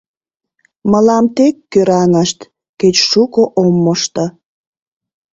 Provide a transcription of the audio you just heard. Мылам тек кӧранышт, кеч шуко ом мошто